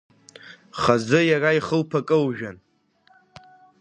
Хазы иара ихылԥа кылжәан.